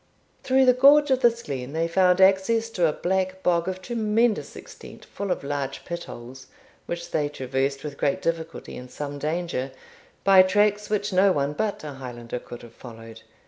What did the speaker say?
Through the gorge of this glen they found access to a black bog, of tremendous extent, full of large pit holes, which they traversed with great difficulty and some danger, by tracks which no one but a Highlander could have followed.